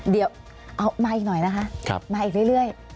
เดี๋ยวมาอีกหน่อยมาอีกเรื่อย